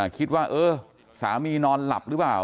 คิดว่าเออสามีนอนหลับหรือเปล่า